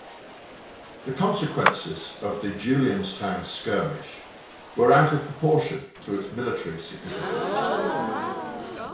The consequences of the Julianstown skirmish were out of proportion to its military significance.